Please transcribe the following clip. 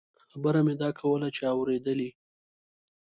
خبره مې دا کوله چې اورېدلې.